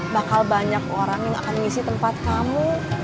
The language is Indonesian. bakal banyak orang yang akan mengisi tempat kamu